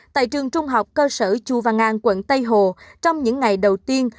tại trường trung học cơ sở chu văn an quận tây hồ trong những ngày đầu tiên